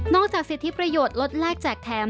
จากสิทธิประโยชน์ลดแลกแจกแถม